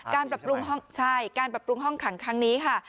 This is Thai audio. ปรับปรุงห้องใช่การปรับปรุงห้องขังครั้งนี้ค่ะ